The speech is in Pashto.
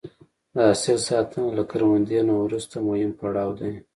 د حاصل ساتنه له کروندې نه وروسته مهم پړاو دی.